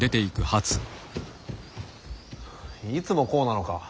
いつもこうなのか。